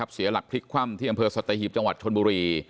เสียหลักพลิกคว่ำที่อำเภอสัตหีบจังหวัดชนบุรี